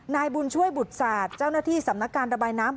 นายบุญช่วยบุตรศาสตร์เจ้าหน้าที่สำนักการระบายน้ำ